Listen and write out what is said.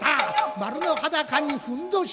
丸の裸にふんどし一つ。